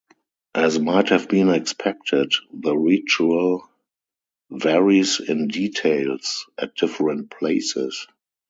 As might have been expected, the ritual varies in details at different places.